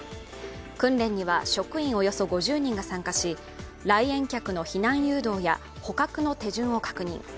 訓練には職員およそ５０人が参加し来園客の避難誘導や捕獲の手順を確認。